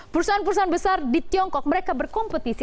perusahaan perusahaan besar di tiongkok mereka berkompetisi